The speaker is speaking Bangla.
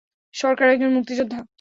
সরকার একজন মুক্তিযোদ্ধা।